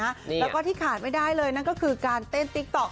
แล้วที่ขาดไม่ได้เลยก็คือการเต้นการติ๊กโต๊ค